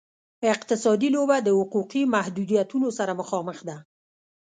اقتصادي لوبه د حقوقي محدودیتونو سره مخامخ ده.